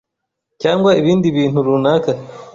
cyangwa ibindi bintu runaka